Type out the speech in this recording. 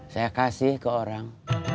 saya kasih ke orang